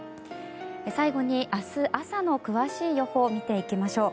最後に、明日朝の詳しい予報を見ていきましょう。